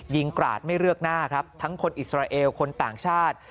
กราดไม่เลือกหน้าครับทั้งคนอิสราเอลคนต่างชาติ